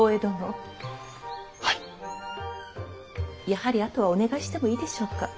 やはりあとはお願いしてもいいでしょうか？